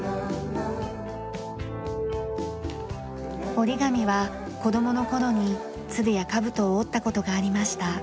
折り紙は子供の頃に鶴や兜を折った事がありました。